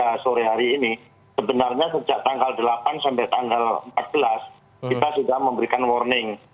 pada sore hari ini sebenarnya sejak tanggal delapan sampai tanggal empat belas kita sudah memberikan warning